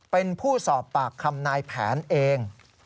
เป็นผู้สอบปากคำนายแผนเอง